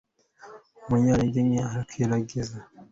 umunyantege nke arakwiragiza